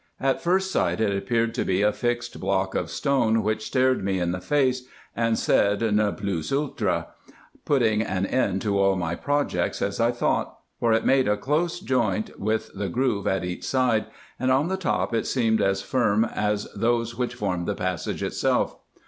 At first sight it appeared to be a fixed block of stone, which stared me in the face, and said ne plus ultra, putting an end to all my projects as I thought ; for it made a close joint with the groove at each side, and on the top it seemed as firm as those which formed the passage itself.